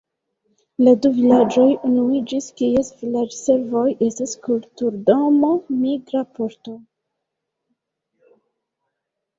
La du vilaĝoj unuiĝis, kies vilaĝservoj estas kulturdomo, migra poŝto.